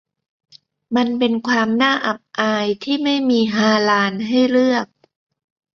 มันเป็นความน่าอับอายที่ไม่มีฮาลาลให้เลือก